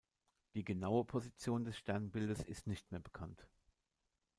Die genaue Position des Sternbildes ist nicht mehr bekannt.